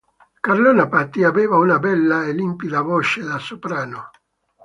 Carlotta Patti aveva una bella e limpida voce da soprano.